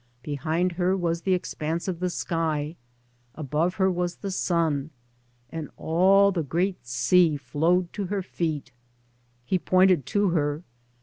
Behind her was the expanse of the sky, above her was the sun, and all the great sea flowed to her feet. He pointed to her.